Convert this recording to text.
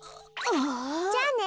じゃあね。